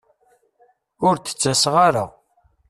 Ur d-ttaseɣ ara.